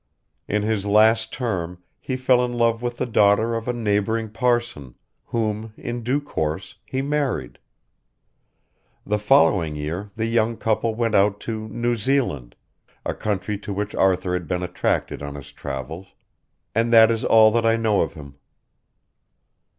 In his last term he fell in love with the daughter of a neighbouring parson, whom, in due course, he married. The following year the young people went out to New Zealand, a country to which Arthur had been attracted on his travels, and that is all that I know of him.